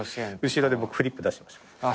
後ろで僕フリップ出してました。